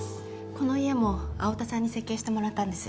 この家も青田さんに設計してもらったんです。